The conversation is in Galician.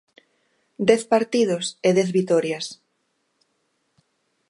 Dez partidos e dez vitorias.